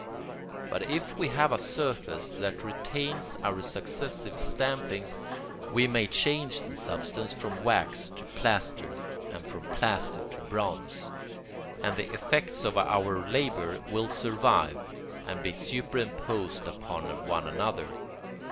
But if we have a surface that retains our successive stampings we may change the substance from wax to plaster and from plaster to bronze, and the effects of our labour will survive and be superimposed upon one another.